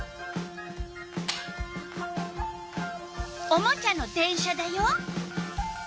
おもちゃの電車だよ。